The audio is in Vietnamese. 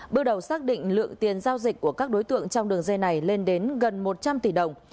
bước đầu xác định lượng tiền giao dịch của các đối tượng trong đường dây này lên đến gần một trăm linh tỷ đồng